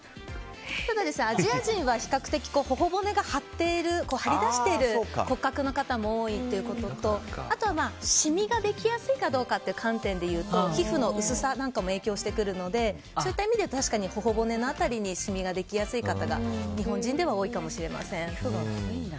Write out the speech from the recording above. ただ、アジア人は比較的頬骨が張り出している骨格の方も多いということとあとはシミができやすいかどうかという観点でいうと皮膚の薄さなんかも影響してくるのでそういった意味で、確かに頬骨の辺りにシミができやすい方が日本人では多いかもしれません。